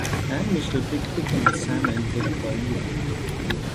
And Mr. Pickwick and Sam entered accordingly.